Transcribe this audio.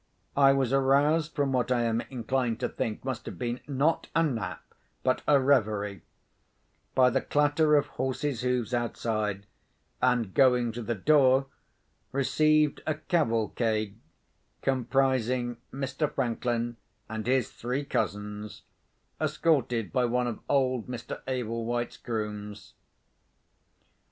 I was aroused from what I am inclined to think must have been, not a nap, but a reverie, by the clatter of horses' hoofs outside; and, going to the door, received a cavalcade comprising Mr. Franklin and his three cousins, escorted by one of old Mr. Ablewhite's grooms.